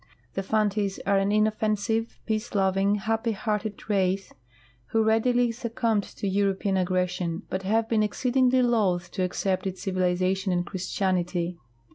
The Fantis are an inoffensive, peace loving, happy hearted race, who readily succumbed to European aggression, but have been exceedingly loth to accept its civilization and Christianity.